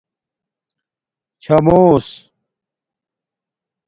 چھݳمݸس